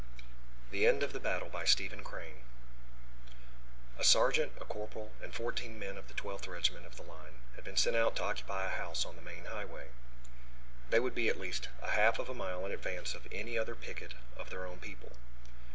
THE END OF THE BATTLE A sergeant, a corporal, and fourteen men of the Twelfth Regiment of the Line had been sent out to occupy a house on the main highway. They would be at least a half of a mile in advance of any other picket of their own people.